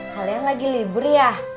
kalian sedang berlibur ya